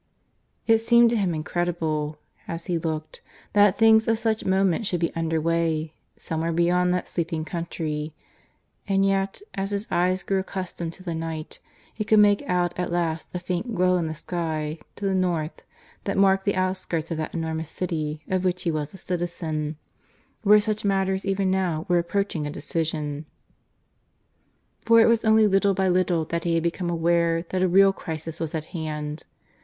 ... It seemed to him incredible, as he looked, that things of such moment should be under way, somewhere beyond that sleeping country; and yet, as his eyes grew accustomed to the night, he could make out at last a faint glow in the sky to the north that marked the outskirts of that enormous city of which he was a citizen, where such matters even now were approaching a decision. For it was only little by little that he had become aware that a real crisis was at hand.